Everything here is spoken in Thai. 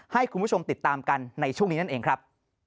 ให้คุณผู้ชมติดตามกันในช่วงนี้นั่นเองครับ